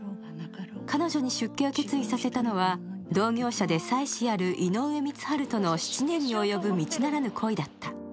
彼女に出家を決意させたのは、同業者で妻子ある井上光晴との７年に及ぶ道ならぬ恋だった。